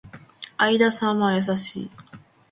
相田さんは優しい